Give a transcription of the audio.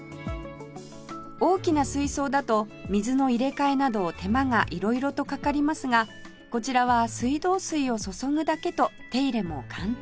大きな水槽だと水の入れ替えなど手間が色々とかかりますがこちらは水道水を注ぐだけと手入れも簡単